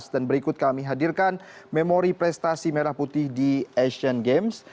dan berikut kami hadirkan memori prestasi merah putih di asian games